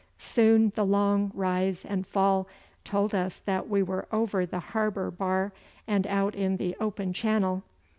Soon the long rise and fall told us that we were over the harbour bar and out in the open channel.